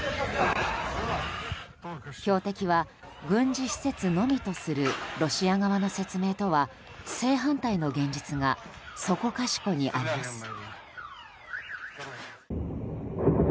標的は軍事施設のみとするロシア側の説明とは正反対の現実がそこかしこにあります。